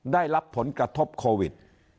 ได้รับผลกระทบโควิด